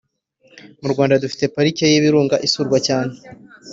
Murwanda dufite parike yibirunga isurwa cyane